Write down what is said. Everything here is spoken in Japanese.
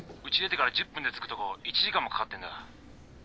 うち出てから１０分で着くとこ１時間もかかってんだ。